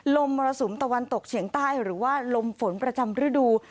มรสุมตะวันตกเฉียงใต้หรือว่าลมฝนประจำฤดู